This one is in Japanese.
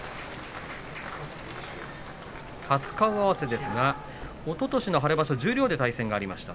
初顔合わせですがおととしの春場所十両で対戦がありました。